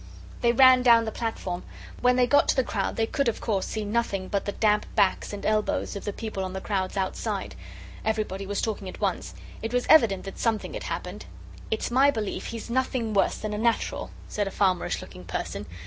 They ran down the platform. When they got to the crowd, they could, of course, see nothing but the damp backs and elbows of the people on the crowd's outside. Everybody was talking at once. It was evident that something had happened. "It's my belief he's nothing worse than a natural," said a farmerish looking person.